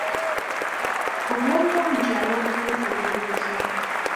Obulamu bw'omukyalo obutuufu buli butya?